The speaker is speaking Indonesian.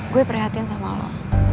gue perhatian sama lo